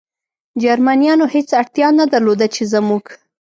جرمنیانو هېڅ اړتیا نه درلوده، چې زموږ.